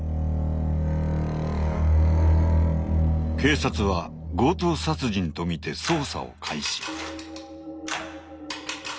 警察は強盗殺人とみて捜査を開始。